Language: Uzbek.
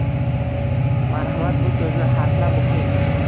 Marhamat, bu so’zni harflab o'qing.